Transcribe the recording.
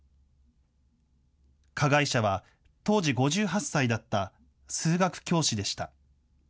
加害者は当時５８歳だった数学教師でした。